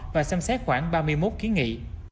và xem xét khoảng ba mươi một kiến nghị